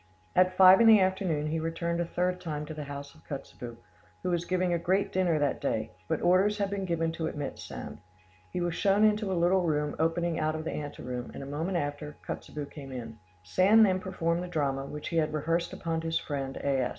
At five in the afternoon he returned a third time to the house of Kotzebue, who was giving a great dinner that day; but orders had been given to admit Sand. He was shown into a little room opening out of the anteroom, and a moment after, Kotzebue came in. Sand then performed the drama which he had rehearsed upon his friend A.